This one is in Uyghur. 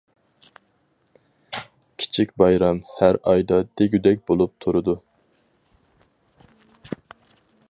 كىچىك بايرام ھەر ئايدا دېگۈدەك بولۇپ تۇرىدۇ.